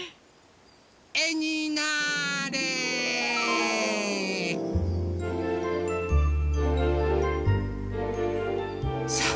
えになあれ！さあ！